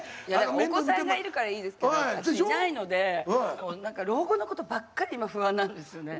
お子さんがいるからいいですけど私いないので老後のことばっかり今不安なんですよね。